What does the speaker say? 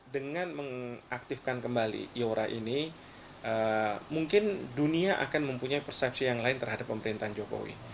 dengan mengaktifkan kembali iora ini mungkin dunia akan mempunyai persepsi yang lain terhadap pemerintahan jokowi